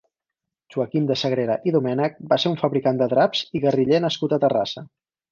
Joaquim de Sagrera i Domènech va ser un fabricant de draps i guerriller nascut a Terrassa.